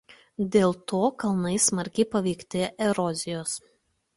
Dėl to kalnai smarkiai paveikti erozijos.